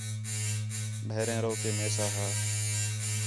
بھیریں رو کے میساں ہا